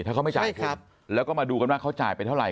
ถ้าเขาไม่จ่ายคุณแล้วก็มาดูกันว่าเขาจ่ายไปเท่าไ